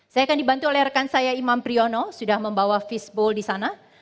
saya akan dibantu oleh rekan saya imam priyono sudah membawa fishbowl di sana